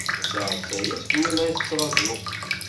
Tasaɛet aya segmi ay la t-ttṛajuɣ.